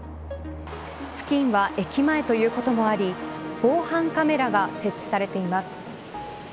付近は、駅前ということもあり防犯カメラが設置されています。